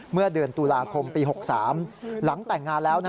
เมื่อเดือนตุลาคมปี๖๓หลังแต่งงานแล้ว